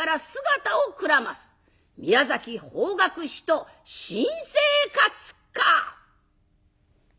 宮崎法学士と新生活か」。